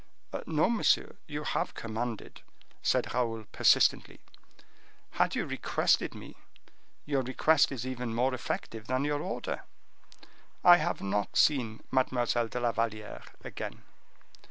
"No, monsieur, you have commanded," said Raoul, persistently; "had you requested me, your request is even more effective than your order. I have not seen Mademoiselle de la Valliere again."